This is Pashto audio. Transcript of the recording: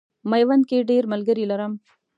میوند کې ډېر ملګري لرم.